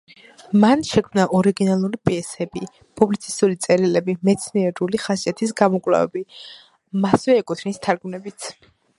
მან შექმნა ორიგინალური პიესები, პუბლიცისტური წერილები, მეცნიერული ხასიათის გამოკვლევები, მასვე ეკუთვნის თარგმანებიც.